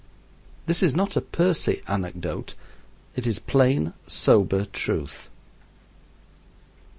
This is not a Percy anecdote. It is plain, sober truth.